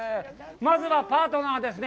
まずはパートナーですね。